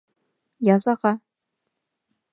Язаға.